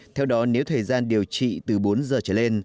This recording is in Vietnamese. theo đó nếu thời gian điều trị từ bốn giờ trở lên